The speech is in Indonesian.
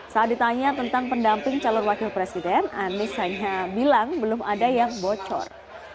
saat ditanya tentang pendamping calon wakil presiden anies hanya bilang belum ada yang bocor